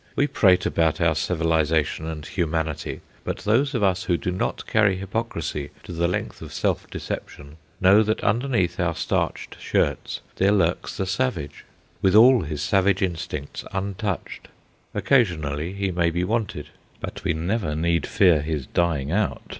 We prate about our civilisation and humanity, but those of us who do not carry hypocrisy to the length of self deception know that underneath our starched shirts there lurks the savage, with all his savage instincts untouched. Occasionally he may be wanted, but we never need fear his dying out.